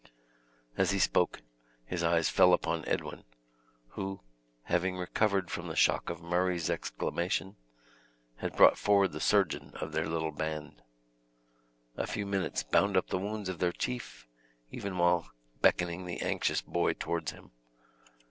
As he spoke, his eyes fell upon Edwin, who, having recovered from the shock of Murray's exclamation, had brought forward the surgeon of their little band. A few minutes bound up the wounds of their chief, even while beckoning the anxious boy towards him.